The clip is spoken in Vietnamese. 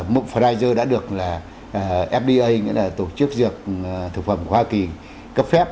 một pfizer đã được là fda tổ chức dược thực phẩm của hoa kỳ cấp phép